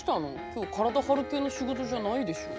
今日体張る系の仕事じゃないでしょ？